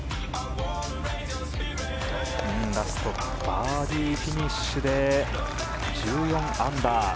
ラストバーディーフィニッシュで１４アンダー。